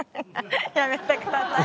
やめてください。